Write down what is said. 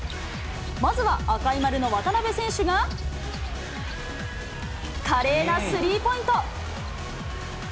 まずは赤い丸の渡邊選手が、華麗なスリーポイント。